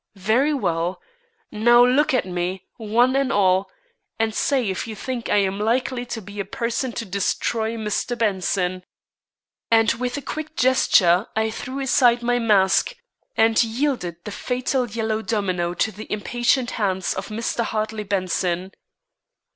Very well, now look at me, one and all, and say if you think I am likely to be a person to destroy Mr. Benson." And with a quick gesture I threw aside my mask, and yielded the fatal yellow domino to the impatient hands of Mr. Hartley Benson.